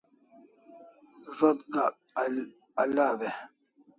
Zo't gak alaw e?